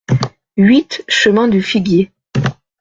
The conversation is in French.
huit chemin du Figuier